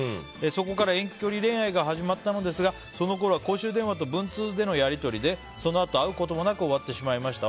そこから遠距離恋愛が始まったのですがそのころは公衆電話と文通でのやり取りでそのあと、会うこともなく終わってしまいました。